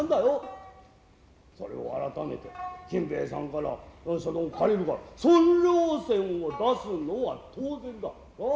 それを改めて金兵衛さんから借りるから損料銭を出すのは当然だな？